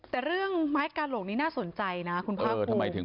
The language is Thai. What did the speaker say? แต่เรื่องไม้กาโหลกนี้น่าสนใจนะคุณภาค